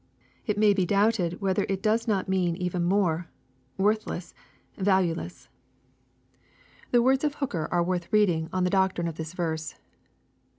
It may be doubted whether it does not mean even more, "Worthless, valuele!3S." LUKR, CHAP. XVII. 231 The words of Hooker are worth reading on the doctrine of this verse.